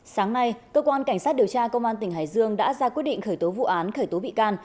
sáng nay cơ quan cảnh sát điều tra công an tỉnh hải dương đã ra quyết định khởi tố vụ án khởi tố bị can